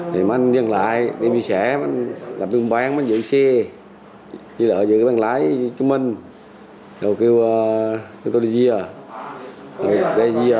thì mình dừng lại đi xe mình lập vùng bán mình dự xe dự cái bàn lái chúng mình rồi kêu tôi đi ghia